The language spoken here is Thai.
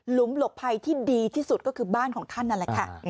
หลุมหลบภัยที่ดีที่สุดก็คือบ้านของท่านนั้นค่ะ